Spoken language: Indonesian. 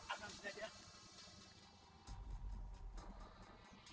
akan saya ajak